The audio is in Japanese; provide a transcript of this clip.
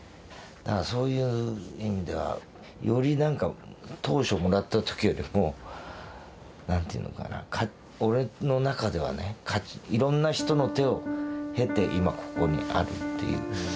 だからそういう意味ではよりなんか当初もらった時よりも何ていうのかな俺の中ではねいろんな人の手を経て今ここにあるっていう。